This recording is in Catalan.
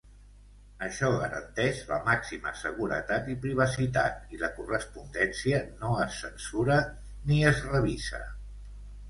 Això garanteix la màxima seguretat i privacitat i la correspondència no es censura ni es revisa.